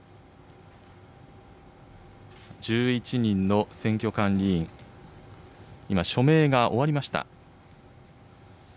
１１人の選挙管理委員、今、署名が終わりました。